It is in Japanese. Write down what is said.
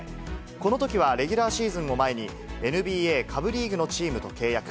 このときはレギュラーシーズンを前に、ＮＢＡ下部リーグのチームと契約。